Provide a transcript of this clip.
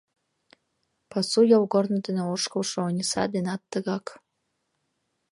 Пасу йолгорно дене ошкылшо Ониса денат тыгак.